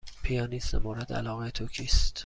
پیانیست مورد علاقه تو کیست؟